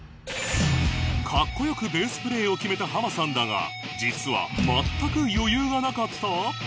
かっこよくベースプレイを決めたハマさんだが実は全く余裕がなかった？